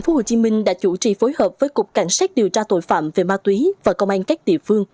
tp hcm đã chủ trì phối hợp với cục cảnh sát điều tra tội phạm về ma túy và công an các địa phương